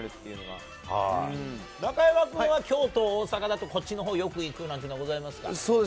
中山君は、京都、大阪だと、こっちのほうよく行くなんてのはございますか？